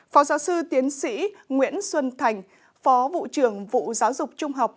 phó giáo sư tiến sĩ nguyễn xuân thành phó vụ trưởng vụ giáo dục trung học